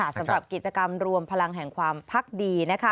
สำหรับกิจกรรมรวมพลังแห่งความพักดี